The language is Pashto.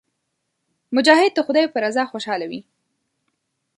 مجاهد د خدای په رضا خوشاله وي.